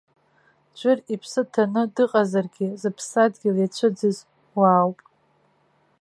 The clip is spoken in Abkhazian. Ӡәыр иԥсы ҭаны дыҟазаргьы зыԥсадгьыл иацәыӡыз уаауп.